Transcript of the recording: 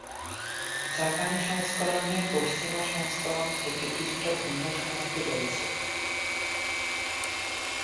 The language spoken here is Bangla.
জাপানি সংস্করণে পশ্চিমা সংস্করণ থেকে কিছুটা ভিন্ন সমাপ্তি রয়েছে।